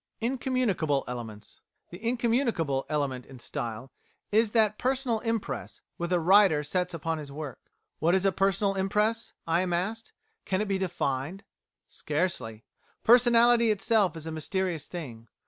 Incommunicable Elements The incommunicable element in style is that personal impress which a writer sets upon his work. What is a personal impress? I am asked. Can it be defined? Scarcely. Personality itself is a mysterious thing.